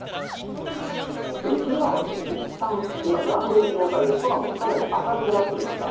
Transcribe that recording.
ちょっと今はね、いったん、今、やんでいる状態で、空もかなり明るくなってきました。